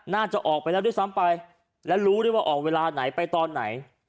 น่าจะออกไปแล้วด้วยซ้ำไปและรู้ด้วยว่าออกเวลาไหนไปตอนไหน